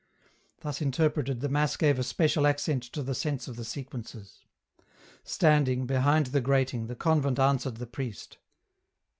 Thus interpreted the Mass gave a special accent to the sense of the sequences. Standing, behind the grating, the convent answered the priest.